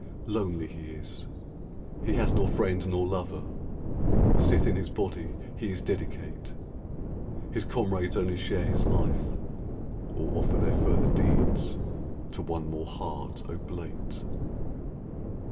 Lonely he is: he has nor friend nor lover, Sith in his body he is dedicate.... His comrades only share his life, or offer Their further deeds to one more heart oblate.